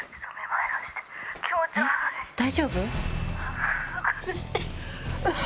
大丈夫？